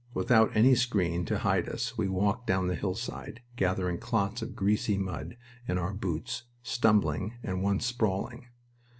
Without any screen to hide us we walked down the hillside, gathering clots of greasy mud in our boots, stumbling, and once sprawling.